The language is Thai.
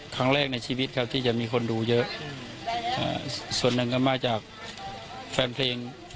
ครั้งแรกในชีวิตครับที่จะมีคนดูเยอะส่วนหนึ่งก็มาจากแฟนเพลง